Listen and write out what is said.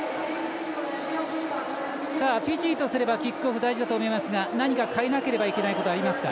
フィジーとすればキックオフ大事だと思いますが何か変えなければいけないことはありますか？